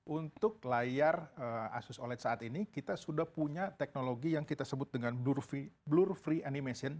untuk layar asus oled saat ini kita sudah punya teknologi yang kita sebut dengan blur free animation